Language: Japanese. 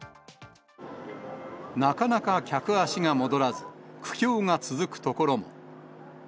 なかなか客足が戻らず、苦境が続く所も。